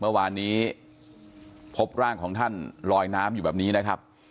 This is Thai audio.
เมื่อวานนี้พบร่างของท่านลอยน้ำอยู่แบบนี้นะครับ